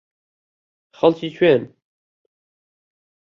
خەڵکی کوێن؟